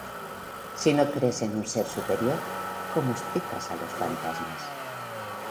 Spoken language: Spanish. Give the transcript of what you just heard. Si no crees en un ser superior, ¿cómo explicas a los fantasmas?